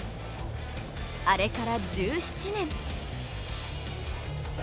あれから１７年。